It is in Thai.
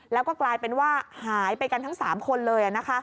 แล้วก็กลายเป็นว่าหายไปกันทั้ง๓คนเลย